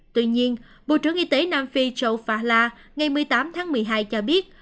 tuy nhiên bộ trưởng y tế nam phi trâu phala ngày một mươi tám tháng một mươi hai cho biết